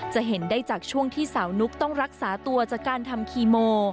จะเห็นได้จากช่วงที่สาวนุ๊กต้องรักษาตัวจากการทำคีโม